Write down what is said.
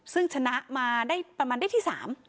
ซึ่งชนะมาได้ประมาณได้ที่๓